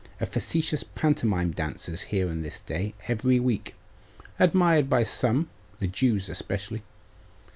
A facetious pantomime dances here on this day every week admired by some, the Jews especially.